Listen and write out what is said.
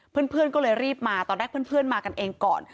เพื่อนก็เลยรีบมาตอนแรกเพื่อนมากันเองก่อน